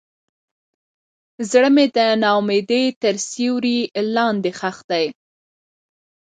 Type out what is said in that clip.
زړه مې د ناامیدۍ تر سیوري لاندې ښخ دی.